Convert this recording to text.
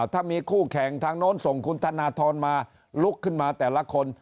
ถ้ามีคู่แข่งทางโน้นส่งคุณธนทรมาลุกขึ้นมาแต่ละคน